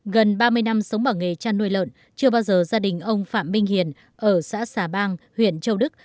gần ba mươi năm sống bằng nghề chăn nuôi lợn chưa bao giờ gia đình ông phạm minh hiền ở xã xà bang huyện châu đức